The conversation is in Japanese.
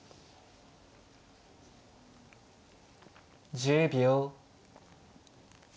１０秒。